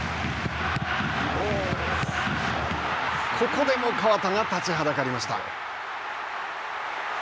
ここでも河田が立ちはだかりました。